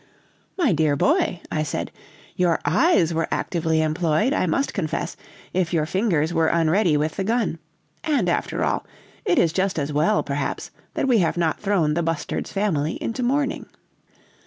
"'My dear boy!' I said, 'your eyes were actively employed, I must confess, if your fingers were unready with the gun. And after all, it is just as well, perhaps, that we have not thrown the bustard's family into mourning.'